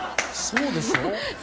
そうですよね。